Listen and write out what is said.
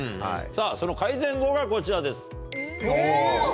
その改善後がこちらです。